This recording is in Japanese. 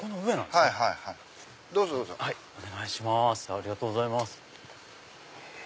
ありがとうございます。